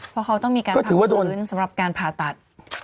เพราะเขาต้องมีการถือว่าโดนสำหรับการผ่าตัด